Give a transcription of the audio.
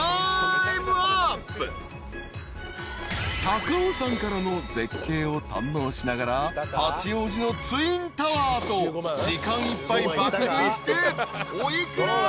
［高尾山からの絶景を堪能しながら八王子のツインタワーと時間いっぱい爆食いしてお幾ら？］